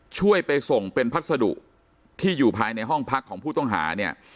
ช่วยไปส่งเป็นพัสดุที่อยู่ภายในห้องพักของผู้ต้องหาเนี่ย